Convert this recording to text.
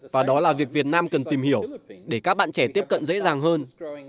và đó là việc việt nam cần tìm hiểu để các bạn trẻ tiếp cận dễ dàng hơn